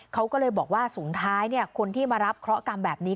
เขาก็เลยบอกว่าสุดท้ายคนที่มารับเคราะห์กรรมแบบนี้